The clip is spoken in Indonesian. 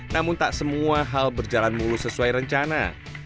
namun tak semua hal berjalan mulus sesuai rencana